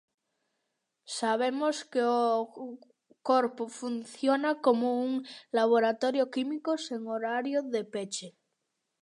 Sabemos que o corpo funciona como un laboratorio químico sen horario de peche.